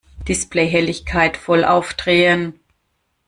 Displayhelligkeit voll aufdrehen!